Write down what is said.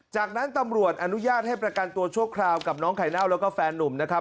จากนั้นตำรวจอนุญาตให้ประกันตัวชั่วคราวกับน้องไข่เน่าแล้วก็แฟนนุ่มนะครับ